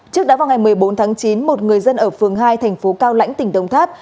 trước đó vào ngày một mươi bốn tháng chín một người dân ở phường hai thành phố cao lãnh tỉnh đồng tháp